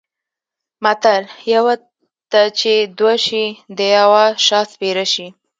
متل: یوه ته چې دوه شي د یوه شا سپېره شي.